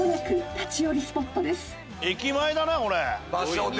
駅前だなこれ。